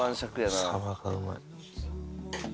サバがうまい。